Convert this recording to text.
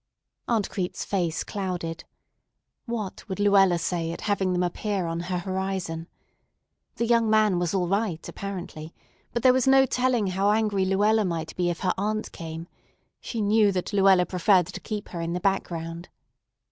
Aunt Crete's face clouded. What would Luella say at having them appear on her horizon? The young man was all right, apparently, but there was no telling how angry Luella might be if her aunt came. She knew that Luella preferred to keep her in the background.